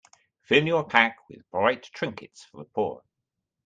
Fill your pack with bright trinkets for the poor.